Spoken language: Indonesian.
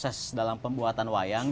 saya dibutuhkan dalam pembuatan wayang